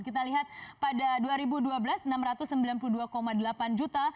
kita lihat pada dua ribu dua belas enam ratus sembilan puluh dua delapan juta